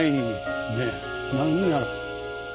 何やろう。